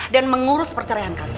dan mengurus perceraian kalian